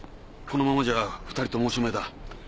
このままじゃ２人ともおしまいだ。